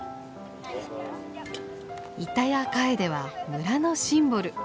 イタヤカエデは村のシンボル。